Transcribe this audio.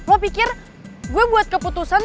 aku pikir gue buat keputusan